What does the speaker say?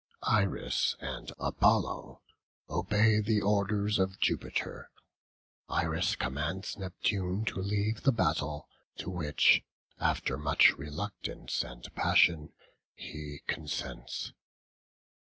Iris and Apollo obey the orders of Jupiter; Iris commands Neptune to leave the battle, to which, after much reluctance and passion, he consents.